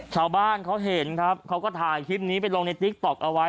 ชาวบ้านเขาเห็นครับเขาก็ถ่ายคลิปนี้ไปลงในติ๊กต๊อกเอาไว้